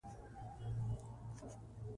واوره د افغانانو د فرهنګي پیژندنې برخه ده.